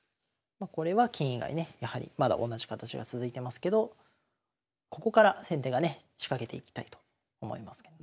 これは金以外ねやはりまだ同じ形が続いてますけどここから先手がね仕掛けていきたいと思いますけどね。